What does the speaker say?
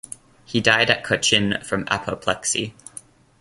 He died at Cochin from apoplexy.